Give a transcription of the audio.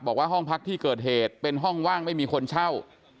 บอกว่าห้องพักที่เกิดเหตุเป็นห้องว่างไม่มีคนเช่า